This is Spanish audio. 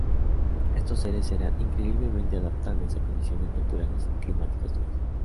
Estos seres eran increíblemente adaptables a condiciones naturales y climáticas duras.